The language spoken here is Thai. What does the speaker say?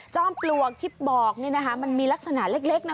จอมปลวกที่บอกมันมีลักษณะเล็กนะ